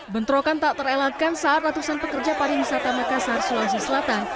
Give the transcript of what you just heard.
bentrokan tak terelakkan saat ratusan pekerja pariwisata makassar sulawesi selatan